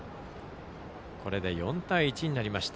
これで４対１になりました。